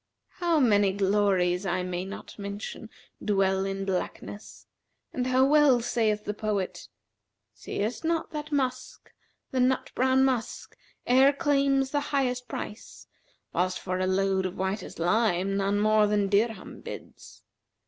How many glories I may not mention dwell in blackness, and how well saith the poet, 'Seest not that musk, the nut brown musk, e'er claims the highest price * Whilst for a load of whitest lime none more than dirham bids?